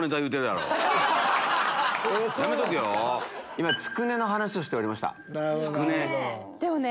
今つくねの話をしておりました。